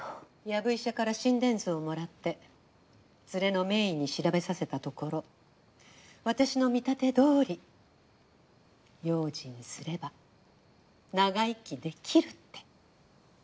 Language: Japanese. やぶ医者から心電図をもらってツレの名医に調べさせたところ私の見立てどおり用心すれば長生きできるって。